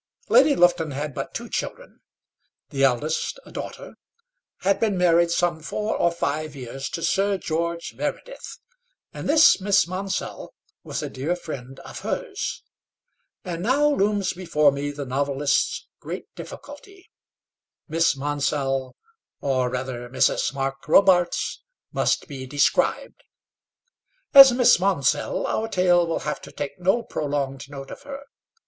Lady Lufton had but two children. The eldest, a daughter, had been married some four or five years to Sir George Meredith, and this Miss Monsell was a dear friend of hers. And now looms before me the novelist's great difficulty. Miss Monsell, or, rather, Mrs. Mark Robarts, must be described. As Miss Monsell, our tale will have to take no prolonged note of her.